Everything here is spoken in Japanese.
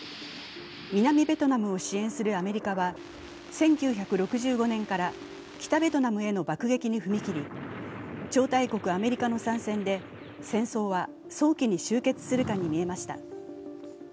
南ベトナムを支援するアメリカは１９６５年から北ベトナムへの爆撃に踏み切り超大国・アメリカの参戦で戦争は早期に終結するかにみえました。